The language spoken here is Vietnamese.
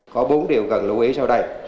có bốn điều cần lưu ý sau đây